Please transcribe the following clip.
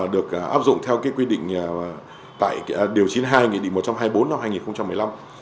được áp dụng theo quy định tại điều chín mươi hai nghị định một trăm hai mươi bốn năm hai nghìn một mươi năm